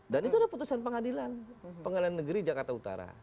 dan itu adalah putusan pengadilan pengadilan negeri jakarta utara